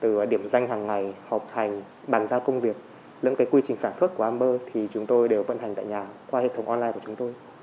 từ điểm danh hàng ngày học hành bàn ra công việc lưỡng cái quy trình sản xuất của amber thì chúng tôi đều vận hành tại nhà qua hệ thống online của chúng tôi